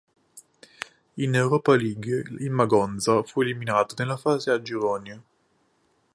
In Europa League il Magonza fu eliminato nella fase a gironi.